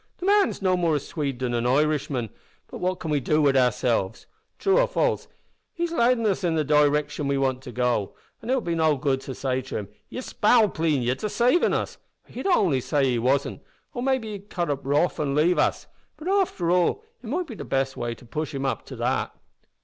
"The man's no more a Swede than an Irishman, but what can we do wid oursilves! True or false, he's ladin' us in the diriction we want to go, an' it would do no good to say to him, `Ye spalpeen, yer decavin' of us,' for he'd only say he wasn't; or may be he'd cut up rough an' lave us but after all, it might be the best way to push him up to that."